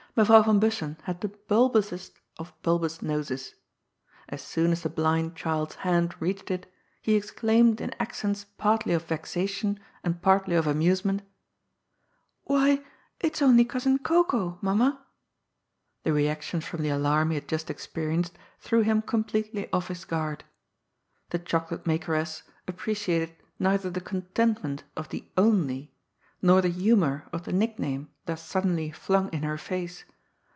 Mevrouw van Bussen had the bulbousest of bulbous 6 66 GOD'S FOOL. noses. As soon as the blind child's hand reached it, he ex claimed in accents partly of vexation and partly of amuse ment: " Why, it's only Cousin Cocoa, mamma I " The reaction from the alarm he had just experienced threw him completely off his guard. The chocolate makeress appreciated neither the content ment of the " only," nor the humour of the nickname thus suddenly flung in her face.